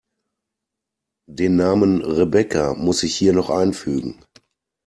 Den Namen Rebecca muss ich hier noch einfügen.